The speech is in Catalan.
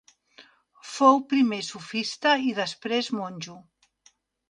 Fou primer sofista i després monjo.